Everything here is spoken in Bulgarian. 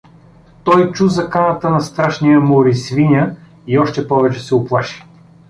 Той чу заканата на страшния Морисвиня и още повече се уплаши.